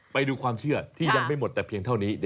ไปดูความเชื่อที่ยังไม่หมดแต่เพียงเท่านี้